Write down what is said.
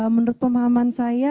menurut pemahaman saya